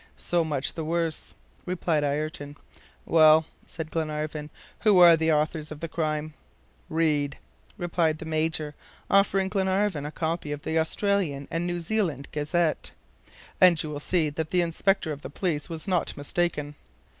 "So much the worse," replied Ayrton. "Well," said Glenarvan, "who are the authors of the crime?" "Read," replied the Major, offering Glenarvan a copy of the Australian and New Zealand Gazette, "and you will see that the inspector of the police was not mistaken."